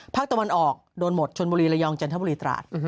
ภาคตะวันออกโดนหมดชนบุรีระยองจันทบุรีตราด